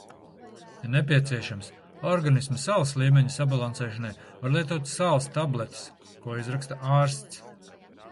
Ja nepieciešams, organisma sāls līmeņa sabalansēšanai var lietot sāls tabletes, ko izraksta ārsts.